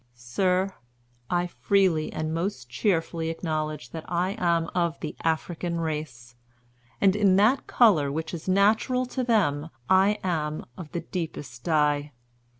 "Sir, I freely and most cheerfully acknowledge that I am of the African race; and in that color which is natural to them I am of the deepest dye.